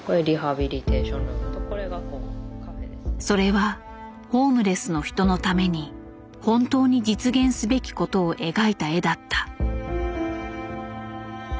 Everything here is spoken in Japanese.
それはホームレスの人のために本当に実現すべきことを描いた絵だった。